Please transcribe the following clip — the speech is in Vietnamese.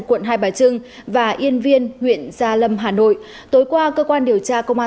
quận hai bà trưng và yên viên huyện gia lâm hà nội tối qua cơ quan điều tra công an